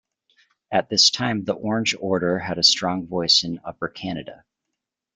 At this time, the Orange Order had a strong voice in Upper Canada.